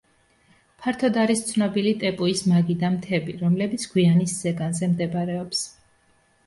ფართოდ არის ცნობილი ტეპუის მაგიდა მთები, რომლებიც გვიანის ზეგანზე მდებარეობს.